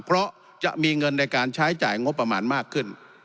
เพราะจะมีเงินในการใช้จ่ายงบประมาณมากขึ้น